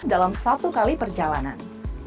dalam satu kali perjalanan